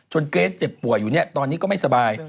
เกรสเจ็บป่วยอยู่เนี่ยตอนนี้ก็ไม่สบาย